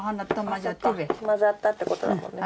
混ざったってことだもんね。